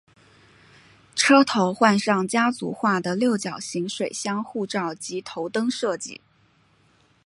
车头换上家族化的六角形水箱护罩及头灯设计。